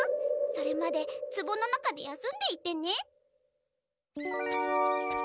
それまでつぼの中で休んでいてね。